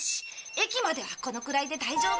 駅まではこのくらいで大丈夫だ。